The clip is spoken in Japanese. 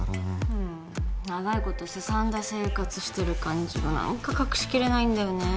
うん長いことすさんだ生活してる感じが何か隠しきれないんだよね